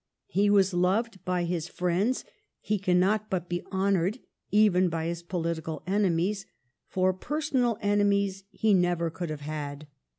He was loved by his friends, he cannot but be honored, even by his political enemies — for personal enemies he never could have had.